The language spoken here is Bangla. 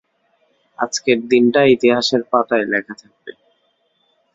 আজকের দিনটা ইতিহাসের পাতায় লেখা থাকবে।